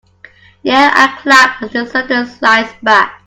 Yell and clap as the curtain slides back.